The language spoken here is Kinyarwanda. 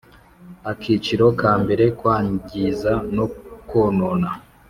Akiciro ka mbere Kwangiza no konona